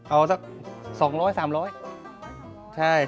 เอาสัก๒๐๐๓๐๐ใช่